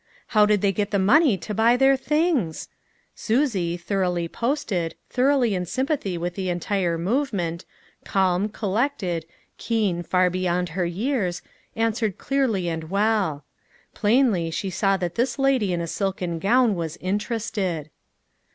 How did they get the money to buy their things? Susie, thoroughly posted, thoroughly in sympa thy with the entire movement, calm, collected, keen far beyond her years, answered clearly and well. Plainly she saw that this lady in a silken gown was interested.